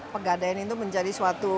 pegadaian itu menjadi suatu